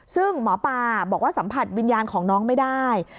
ซึ่งหมอปลาบอกว่าสัมผัสวิญญาณของน้องไม่ได้